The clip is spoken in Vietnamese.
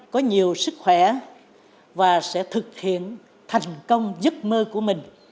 có nhiều sức khỏe và sẽ thực hiện thành công giấc mơ của mình